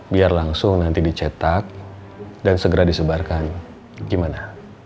biar langsung nanti dicetak dan segera disebarkan gimana